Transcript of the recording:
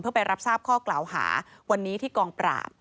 เพื่อไปรับทราบข้อกล่าวหาวันนี้ที่กองปราบ